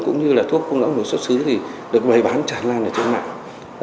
cũng như là thuốc không lõng nối xuất xứ thì được bày bán tràn lan trên mạng